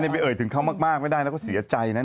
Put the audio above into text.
ใช่ในพี่เอ่ยถึงเข้ามากไม่ได้แล้วก็เสียใจนะ